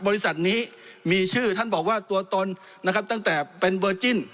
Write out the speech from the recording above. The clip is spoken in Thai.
บริษัทนี้มีชื่อท่านบอกว่าตัวตนนะครับตั้งแต่เป็นเบอร์จิ้น